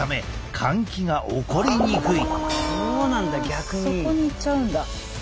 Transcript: そこに行っちゃうんだ。